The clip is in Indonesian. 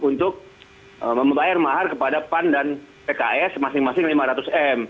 untuk membayar mahar kepada pan dan pks masing masing lima ratus m